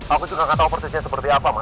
aku juga gak tau persisnya seperti apa ma